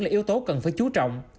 là yếu tố cần phải chú trọng